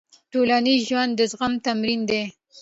ټولنیز ژوند د زغم تمرین دی.